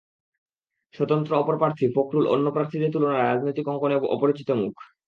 স্বতন্ত্র অপর প্রার্থী ফখরুল অন্য প্রার্থীদের তুলনায় রাজনৈতিক অঙ্গনে অপরিচিত মুখ।